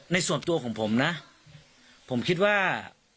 ในส่วนตัวของผมนะผมคิดว่า